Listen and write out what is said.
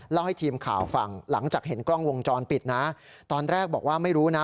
ให้ทีมข่าวฟังหลังจากเห็นกล้องวงจรปิดนะตอนแรกบอกว่าไม่รู้นะ